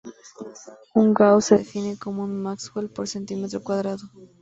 Un "gauss" se define como un maxwell por centímetro cuadrado.